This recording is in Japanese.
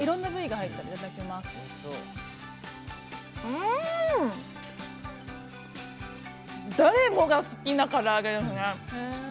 うん、誰もが好きな唐揚げですね。